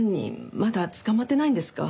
まだ捕まってないんですか？